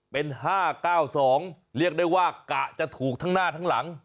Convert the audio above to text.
เป็น๕๙๒เรียกได้ว่ากะจะถูกทั้งหน้าทั้งหลัง